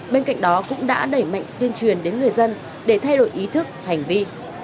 bên cạnh đó cũng đã đẩy mạnh tuyên truyền đến người dân để thay đổi ý thức hành vi